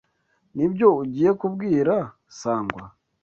Nibyo ugiye kubwira Sangwa?